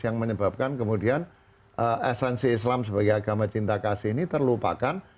yang menyebabkan kemudian esensi islam sebagai agama cinta kasih ini terlupakan